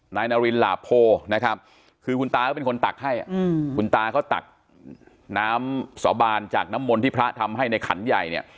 นายนารินหลาโพนะครับคือคุณตาก็เป็นคนตักให้คุณตาเขาตักน้ำสาบานจากน้ำมนต์ที่พระทำให้ในขันใหญ่เนี่ย